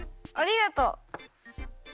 ありがとう！